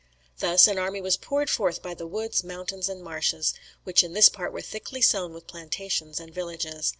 Thus an army was poured forth by the woods, mountains, and marshes, which in this part were thickly sown with plantations and villages.